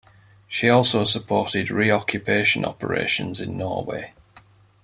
She also supported re-occupation operations in Norway.